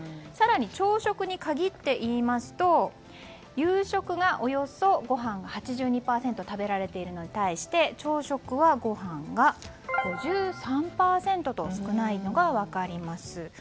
更に朝食に限って言いますと夕食がおよそご飯が８２％食べているのに対し朝食はご飯が５３％と少ないのが分かります。